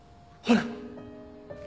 ほら！